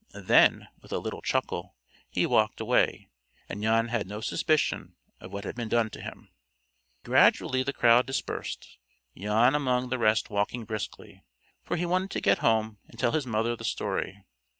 Then, with a little chuckle, he walked away, and Jan had no suspicion of what had been done to him. Gradually the crowd dispersed, Jan among the rest walking briskly, for he wanted to get home and tell his mother the story.